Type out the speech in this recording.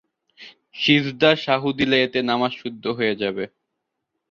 সিজদা সাহু দিলে এতে নামাজ শুদ্ধ হয়ে যাবে।